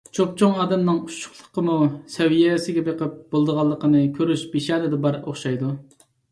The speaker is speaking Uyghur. چوپچوڭ ئادەمنىڭ ئۇششۇقلۇقىمۇ سەۋىيسىگە بېقىپ بولىدىغانلىقىنى كۆرۈش پىشانىدە بار ئوخشايدۇ.